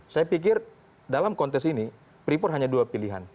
saya pikir dalam kontes ini pripor hanya dua pilihan